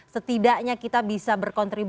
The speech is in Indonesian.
setidaknya kita bisa berkontribusi